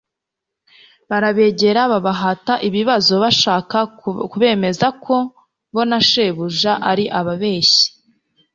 barabegera babahata ibibazo, bashaka kubemeza ko bo na Shebuja ari ababeshyi.